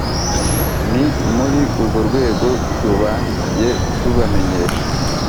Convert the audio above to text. ni muri urwo rwego tubandikiye tubamenyesha